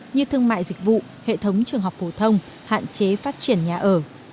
như thương mại dịch vụ hệ thống trường học phổ thông hạn chế phát triển nhà ở